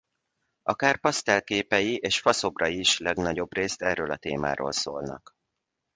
Akár pasztell képei és faszobrai is legnagyobbrészt erről a témáról szólnak.